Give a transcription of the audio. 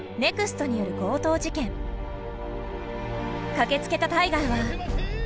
駆けつけたタイガーは。